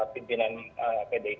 pimpinan pdip terasa masih berpikir